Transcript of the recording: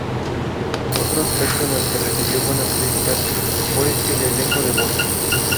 Otro aspecto en el que recibió buenas críticas fue el elenco de voces.